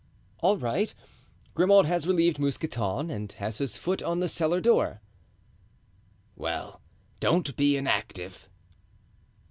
"All right. Grimaud has relieved Mousqueton and has his foot on the cellar door." "Well, don't be inactive."